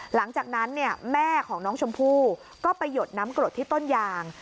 หลังจากนั้นแม่ของน้องชมพู่ก็ไปหยดน้ำกรดที่ต้นยาง